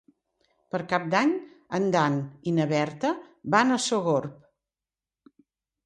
Per Cap d'Any en Dan i na Berta van a Sogorb.